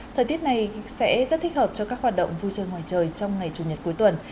thời tiết này sẽ rất thích hợp cho các hoạt động vui chơi ngoài trời trong ngày chủ nhật cuối tuần